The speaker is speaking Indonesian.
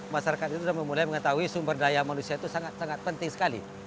masyarakat itu sudah mulai mengetahui sumber daya manusia itu sangat tinggi